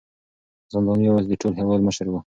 زنداني اوس د ټول هېواد مشر و.